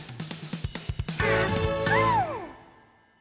「あっぷん！」